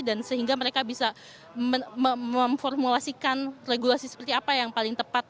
dan sehingga mereka bisa memformulasikan regulasi seperti apa yang paling tepat